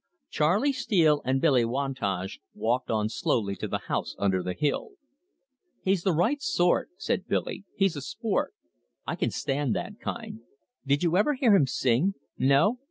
Charley Steele and Billy Wantage walked on slowly to the house under the hill. "He's the right sort," said Billy. "He's a sport. I can stand that kind. Did you ever hear him sing? No?